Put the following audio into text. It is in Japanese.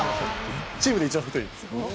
チームで一番太いです。